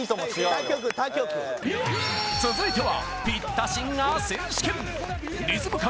他局他局続いてはピッタシンガー選手権リズム感